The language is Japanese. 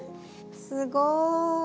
すごい。